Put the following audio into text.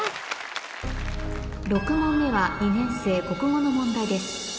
６問目は２年生国語の問題です